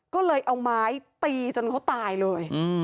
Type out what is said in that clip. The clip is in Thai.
ก็เลยเอาไม้ตีจนเขาตายเลย